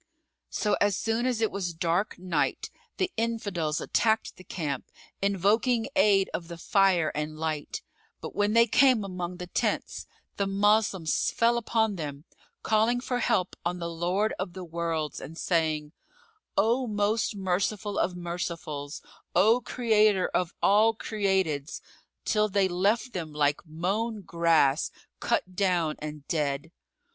So, as soon as it was dark Night, the Infidels attacked the camp, invoking aid of the fire and light; but when they came among the tents, the Moslems fell upon them, calling for help on the Lord of the Worlds and saying, "O Most Merciful of Mercifuls, O Creator of all createds!" till they left them like mown grass, cut down and dead.